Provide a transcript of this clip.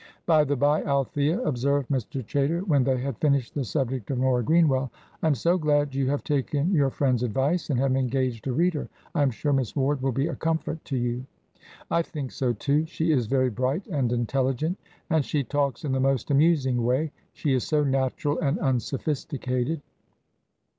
"By the bye, Althea," observed Mr. Chaytor, when they had finished the subject of Nora Greenwell, "I am so glad you have taken your friends' advice, and have engaged a reader. I am sure Miss Ward will be a comfort to you." "I think so, too. She is very bright and intelligent, and she talks in the most amusing way. She is so natural and unsophisticated."